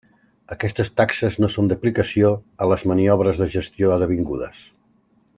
Aquestes taxes no són d'aplicació en les maniobres de gestió d'avingudes.